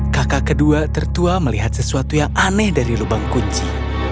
kakak kedua tertua melihat sesuatu yang aneh dari lubang kunci